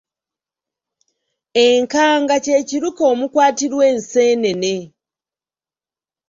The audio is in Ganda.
Enkanga kye kiruke omukwatirwa enseenene.